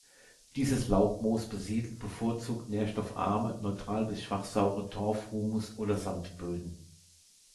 Dieses Laubmoos besiedelt bevorzugt nährstoffarme, neutral bis schwach saure Torf-, Humus- oder Sandböden.